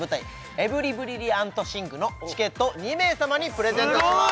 「エブリ・ブリリアント・シング」のチケットを２名様にプレゼントします